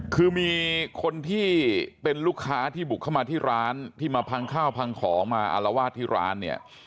คือมีคนที่เป็นลูกค้าที่บุกเข้ามาที่ร้านที่มาพังข้าวพังของมาอารวาสที่ร้านเนี่ย